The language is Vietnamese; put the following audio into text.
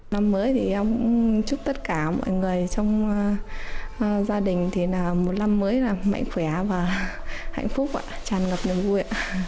năm mới thì em cũng chúc tất cả mọi người trong gia đình một năm mới mạnh khỏe và hạnh phúc tràn ngập những vui